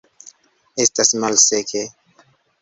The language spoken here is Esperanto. Estas malseke.